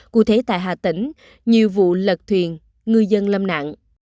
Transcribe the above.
cụ thể tại hà tĩnh nhiều vụ lật thuyền ngư dân lâm nạn